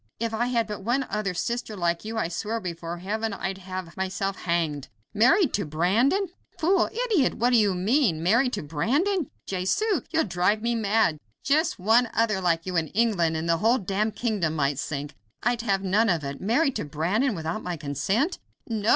If I had but one other sister like you, I swear before heaven I'd have myself hanged. Married to Brandon? Fool! idiot! what do you mean? Married to Brandon! Jesu! You'll drive me mad! Just one other like you in England, and the whole damned kingdom might sink; I'd have none of it. Married to Brandon without my consent!" "No!